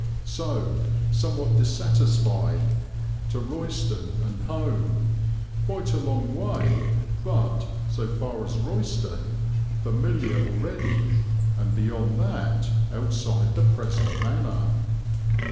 So, somewhat dissatisfied, to Royston and home, quite a long way but, so far as Royston, familiar already, and beyond that outside the present manor.